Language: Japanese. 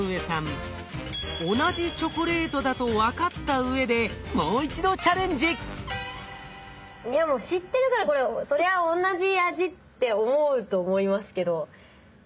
同じチョコレートだと分かったうえでいやもう知ってるからこれそりゃ同じ味って思うと思いますけど。